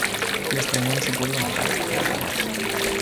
Lo estrenó en su pueblo natal, Guatemala.